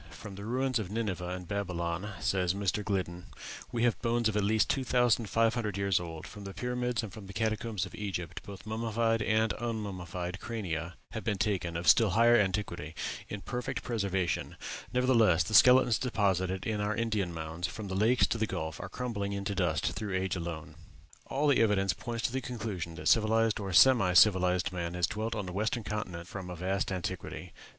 "From the ruins of Nineveh and Babylon," says Mr. Gliddon, "we have bones of at least two thousand five hundred years old; from the pyramids and the catacombs of Egypt both mummied and unmummied crania have been taken, of still higher antiquity, in perfect preservation; nevertheless, the skeletons deposited in our Indian mounds, from the Lakes to the Gulf, are crumbling into dust through age alone." All the evidence points to the conclusion that civilized or semi civilized man has dwelt on the western continent from a vast antiquity.